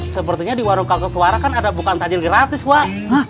sepertinya di warung kakos suara kan ada bukaan tajil gratis wak